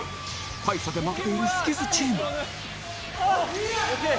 大差で負けているスキズチーム